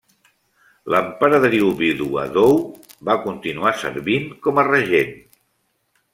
L'Emperadriu Vídua Dou va continuar servint com a regent.